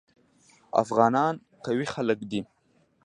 افغانان قوي خلک دي.